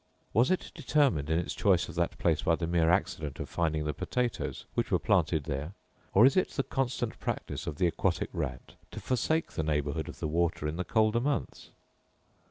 Was it determined in its choice of that place by the mere accident of finding the potatoes which were planted there; or is it the constant practice of the aquatic rat to forsake the neighbourhood of the water in the colder months?